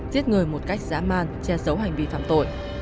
giết người một cách dã man che giấu hành vi phạm tội